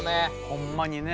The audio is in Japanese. ほんまにね。